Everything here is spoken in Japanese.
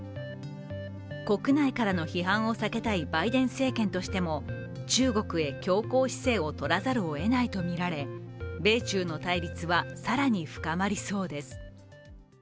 国内からの批判を避けたいバイデン政権としても中国へ強硬姿勢を取らざるをえないとみられ、米中の対立は更に深まりそうです。